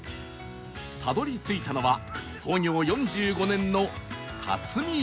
たどり着いたのは創業４５年のたつみ苑